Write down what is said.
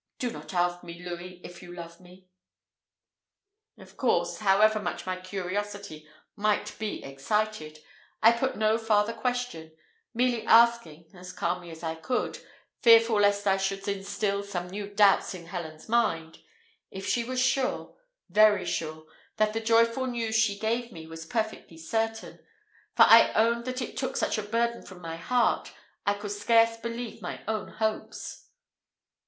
Do not ask me, Louis, if you love me." Of course, however much my curiosity might be excited, I put no farther question, merely asking, as calmly as I could, fearful lest I should instil some new doubts in Helen's mind, if she was sure, very sure, that the joyful news she gave me was perfectly certain; for I owned that it took such a burden from my heart, I could scarce believe my own hopes.